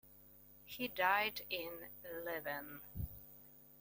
He died in Leuven.